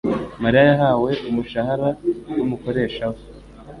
Mariya yahawe umushahara n'umukoresha we.